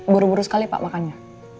buru buru sekali pak makannya